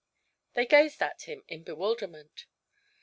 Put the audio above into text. They gazed at him in bewilderment.